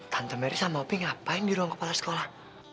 tante mary sama opi ngapain di ruang kepala sekolah